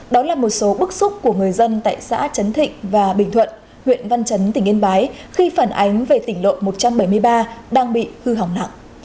đó là một số bức xúc của người dân tại xã chấn thịnh và bình thuận huyện văn chấn tỉnh yên bái khi phản ánh về tỉnh lộ một trăm bảy mươi ba đang bị hư hỏng nặng